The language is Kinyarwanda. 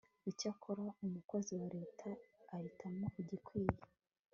Icyakora umukozi wa Leta ahitamo igikwiye